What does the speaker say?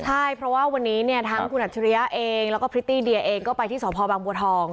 ใช่เพราะว่าวันนี้เนี่ยทั้งคุณอัจฉริยะเองแล้วก็พริตตี้เดียเองก็ไปที่สพบางบัวทอง